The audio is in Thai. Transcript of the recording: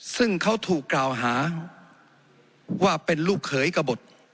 ซึ่งเขาถูกกล่าวหาว่าเป็นลูกเขยกระบด